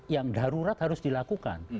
yang darurat harus dilakukan